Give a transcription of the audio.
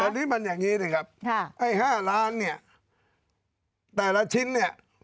อันนี้มันอย่างนี้สิครับไอ้๕ล้านเนี่ยแต่ละชิ้นเนี่ย